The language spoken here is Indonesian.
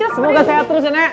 semoga sehat terus ya nak